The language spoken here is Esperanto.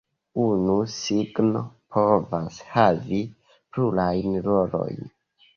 Unu signo povas havi plurajn rolojn.